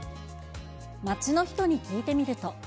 街の人に聞いてみると。